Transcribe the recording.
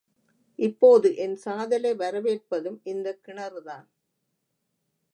இப்போது என் சாதலை வரவேற்பதும் இந்தக் கிணறு தான்.